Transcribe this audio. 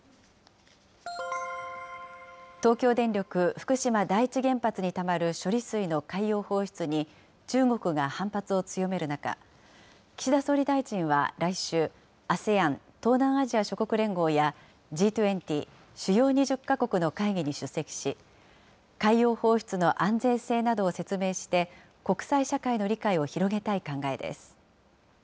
東京電力福島第一原発にたまる処理水の海洋放出に、中国が反発を強める中、岸田総理大臣は来週、ＡＳＥＡＮ・東南アジア諸国連合やＧ２０・主要２０か国の会議に出席し、海洋放出の安全性などを説明して、国際社会の理解を広げたい考えです。